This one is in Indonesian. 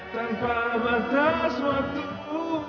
tapi lebih baik